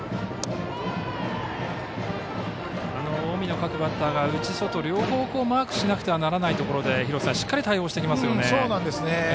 近江の各バッターが内、外と両方マークしなきゃならないところでしっかりと対応してきますね。